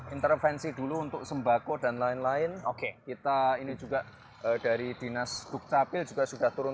intervensi dulu untuk sembako dan lain lain oke kita ini juga dari dinas dukcapil juga sudah turun